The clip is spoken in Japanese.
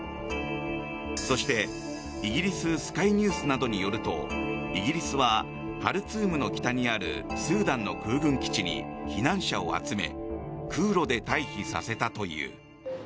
そして、イギリススカイニュースなどによるとイギリスはハルツームの北にあるスーダンの空軍基地に避難者を集め空路で退避させたという。